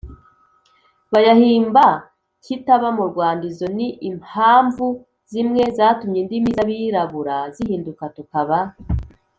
bayahimba kitaba mu rwanda. izo ni imhamvu zimwe zatumye indimi z’abirabura zihinduka tukaba